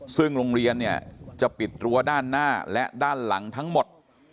ซึ่งโรงเรียนเนี่ยจะปิดรั้วด้านหน้าและด้านหลังทั้งหมด